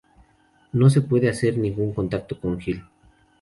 No se puede hacer ningún contacto con Gill.